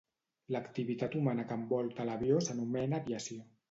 L'activitat humana que envolta l'avió s'anomena aviació.